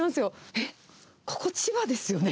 えっ、ここ千葉ですよね。